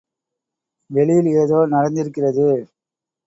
வெளியில் ஏதோ நடந்திருக்கிறது.